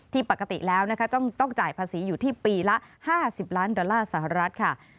ปกติแล้วนะคะต้องจ่ายภาษีอยู่ที่ปีละ๕๐ล้านดอลลาร์สหรัฐค่ะ